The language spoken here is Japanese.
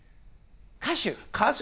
歌手！